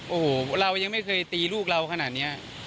โอ้โหเรายังไม่เคยตีลูกเราขนาดนี้